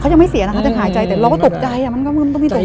เขาจะไม่เสียนะคะจะหายใจแต่เราก็ตกใจอะมันก็มีตกใจบ้าง